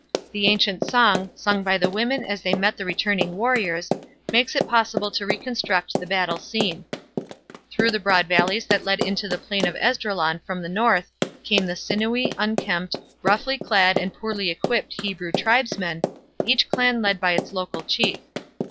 The ancient song, sung by the women as they met the returning warriors, makes it possible to reconstruct the battle scene. Through the broad valleys that lead into the Plain of Esdraelon from the north came the sinewy, unkempt, roughly clad and poorly equipped Hebrew tribesmen, each clan led by its local chief.